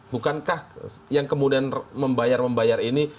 bukankah yang kemudian membayar membayar ini